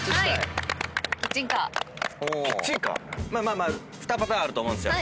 まあまあまあ２パターンあると思うんですよ。